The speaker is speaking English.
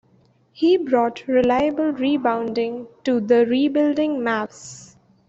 He brought reliable rebounding to the rebuilding Mavs.